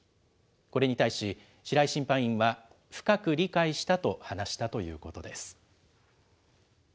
これに対し、白井審判員は、深く理解したと話したということです。